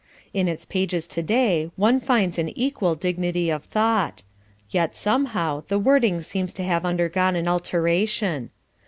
In its pages to day one finds an equal dignity of thought, yet, somehow, the wording seems to have undergone an alteration.